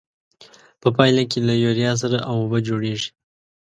په پایله کې له یوریا سره او اوبه جوړیږي.